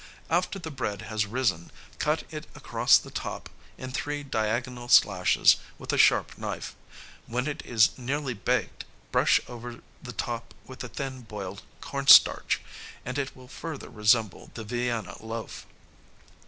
After the bread has risen cut it across the top in three diagonal slashes with a sharp knife; when it is nearly baked brush over the top with a thin boiled cornstarch, and it will further resemble the Vienna loaf.